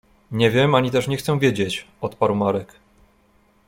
— Nie wiem ani też nie chcę wiedzieć! — odparł Marek.